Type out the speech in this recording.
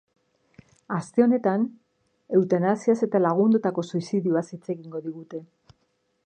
Aste hontan eutanasiaz eta lagundutako suizidioaz hitz egin digute.